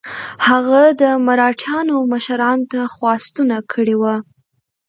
هغه د مرهټیانو مشرانو ته خواستونه کړي وه.